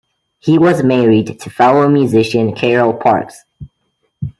He was married to fellow musician Carol Parks.